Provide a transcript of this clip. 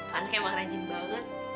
ma anak emang rajin banget